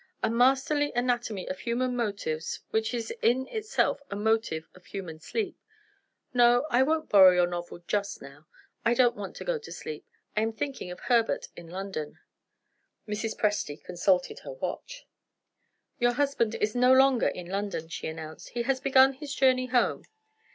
A masterly anatomy of human motives which is in itself a motive of human sleep. No; I won't borrow your novel just now. I don't want to go to sleep; I am thinking of Herbert in London." Mrs. Presty consulted her watch. "Your husband is no longer in London," she announced; "he has begun his journey home.